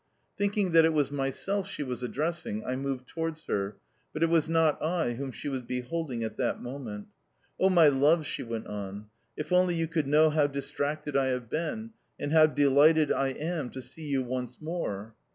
Thinking that it was myself she was addressing, I moved towards her, but it was not I whom she was beholding at that moment. "Oh, my love," she went on, "if only you could know how distracted I have been, and how delighted I am to see you once more!"